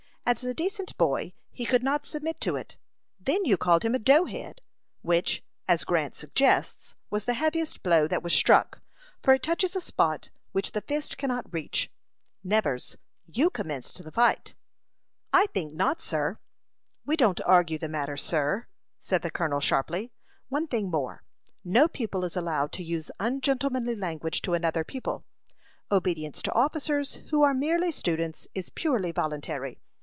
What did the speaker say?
As a decent boy, he could not submit to it. Then you called him a dough head; which, as Grant suggests, was the heaviest blow that was struck, for it touches a spot which the fist cannot reach. Nevers, you commenced the fight." "I think not, sir." "We don't argue the matter, sir," said the colonel, sharply. "One thing more: no pupil is allowed to use ungentlemanly language to another pupil. Obedience to officers who are merely students is purely voluntary.